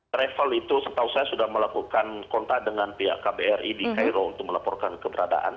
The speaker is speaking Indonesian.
travel itu setahu saya sudah melakukan kontak dengan pihak kbri di cairo untuk melaporkan keberadaan